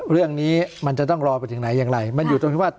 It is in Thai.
เรื่องนี้มันจะต้องรอไปถึงไหนอย่างไรมันอยู่ตรงที่ว่า